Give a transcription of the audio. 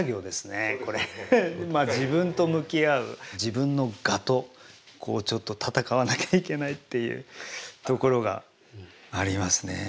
自分の我とこうちょっと闘わなきゃいけないっていうところがありますねぇ。